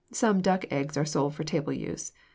Some duck eggs are sold for table use.